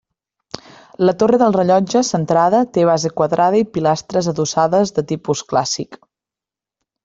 La torre del Rellotge, centrada, té base quadrada i pilastres adossades de tipus clàssic.